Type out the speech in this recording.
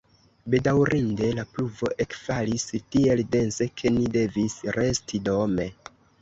Bedaŭrinde la pluvo ekfalis tiel dense, ke ni devis resti dome.